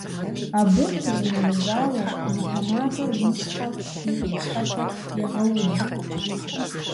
Абы къищынэмыщӏауэ, уи тэмакъыр, уи щхьэр, уи къупщхьэхэр егъэуз.